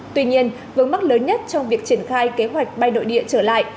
tuy nhiên vấn mắc lớn nhất trong việc triển khai kế hoạch bay nội địa trở lại